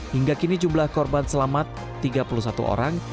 hingga kini jumlah korban selamat tiga puluh satu orang